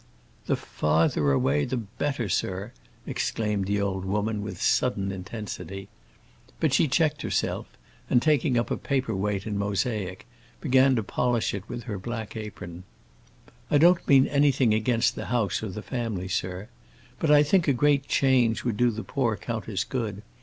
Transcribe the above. "The farther away the better, sir!" exclaimed the old woman, with sudden intensity. But she checked herself, and, taking up a paper weight in mosaic, began to polish it with her black apron. "I don't mean anything against the house or the family, sir. But I think a great change would do the poor countess good.